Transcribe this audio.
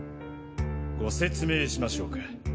ご説明しましょうか。